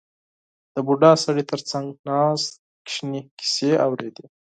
• د بوډا سړي تر څنګ ناست ماشوم کیسې اورېدې.